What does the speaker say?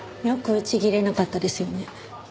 よくちぎれなかったですよね。